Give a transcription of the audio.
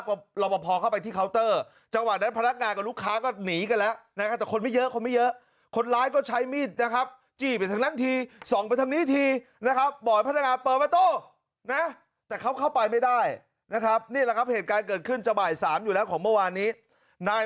วิธีกิจนะครับอายุหกสิบแปดปีเราว่าพอท่านเมื่อสักครู่เนี้ย